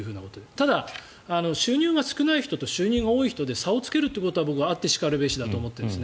ただ、収入が少ない人と収入が多い人で差をつけるということはあってしかるべしだと思っているんです。